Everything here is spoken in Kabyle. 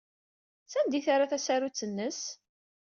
Sanda ay terra tasarut-nnes?